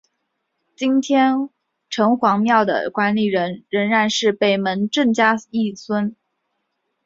今天城隍庙的管理人仍是北门郑家裔孙。